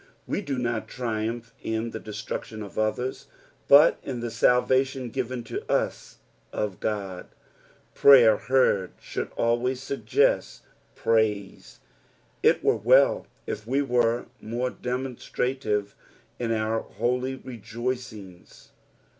We do not triumph in the destruction of others, but in tlie salvation given to us of God. Prayer heard should ahvays suggest praise. It were well if we were more demoiistrative in our holy rejoicings.